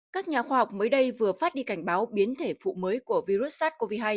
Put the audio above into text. các nhà khoa học mới đây vừa phát đi cảnh báo biến thể phụ mới của virus sars cov hai